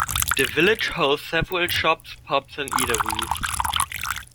The village hosts several shops, pubs and eateries.